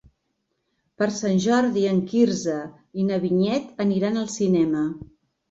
Per Sant Jordi en Quirze i na Vinyet aniran al cinema.